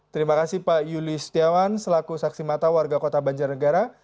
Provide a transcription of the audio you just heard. terima kasih pak yuli setiawan selaku saksi mata warga kota banjarnegara